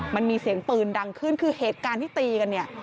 มันมีเสียงปืนดังขึ้นคือเหตุการณ์ที่ตีกันเนี่ย